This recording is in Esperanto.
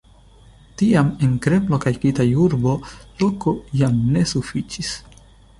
Tiam en Kremlo kaj Kitaj-urbo loko jam ne sufiĉis.